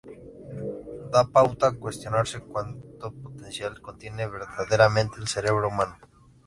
Da pauta a cuestionarse cuánto potencial contiene verdaderamente el cerebro humano.